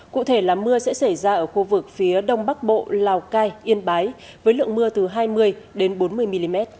cụ thể là mưa sẽ xảy ra ở khu vực phía đông bắc bộ lào cai yên bái với lượng mưa từ hai mươi đến bốn mươi mm